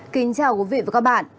kính chào quý vị và các bạn